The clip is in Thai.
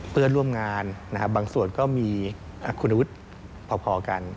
เพื่อนร่วมงานบางส่วนก็มีคุณวุฒิพอกัน